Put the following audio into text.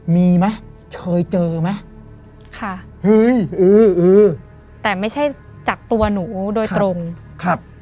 มีมั้ยเคยเจอมั้ยค่ะเออเออแต่ไม่ใช่จากตัวหนูโดยตรงครับ